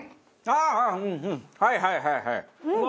はいはいはいはい。